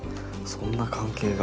そんな関係が。